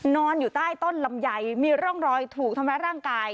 นอนอยู่ใต้ต้นลำไยมีร่องรอยถูกทำร้ายร่างกาย